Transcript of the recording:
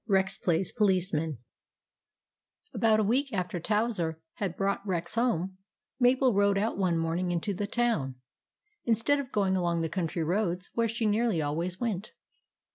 REX PLAYS POLICEMAN ABOUT a week after Towser had brought Rex home, Mabel rode out one morning into the town, instead of going along the country roads where she nearly always went.